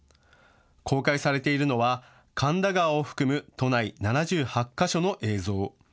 公開されているのは神田川を含む都内７８か所の映像。